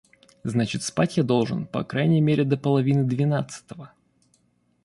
Значит, спать я должен по крайней мере до половины двенадцатого.